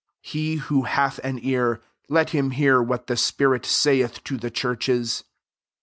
13 He who hath an ear, let him hear what the spirit saith to tlie churches.